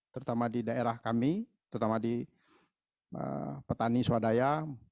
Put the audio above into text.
terutama di daerah kami terutama di petani swadaya